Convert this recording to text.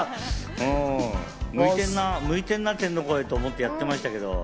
向いてんなぁ、天の声と思ってやってました。